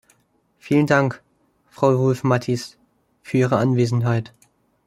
Vielen Dank, Frau Wulf-Mathies, für Ihre Anwesenheit.